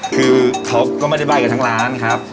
คือเขาก็ไม่ได้ใบ้กันทั้งร้านครับ